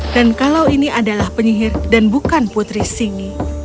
dan kalau ini adalah penyihir dan bukan putri singi